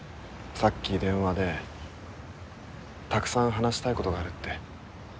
さっき電話でたくさん話したいことがあるって。